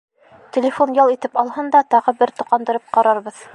— Телефон ял итеп алһын да тағы бер тоҡандырып ҡарарбыҙ.